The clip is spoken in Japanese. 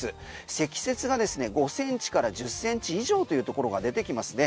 積雪がですね５センチから１０センチ以上というところが出てきますね。